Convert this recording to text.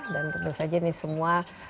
dan tentu saja ini semua